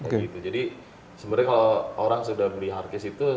kayak gitu jadi sebenarnya kalau orang sudah beli hardcase itu